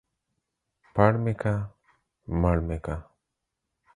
پړ مې که ، مړ مې که.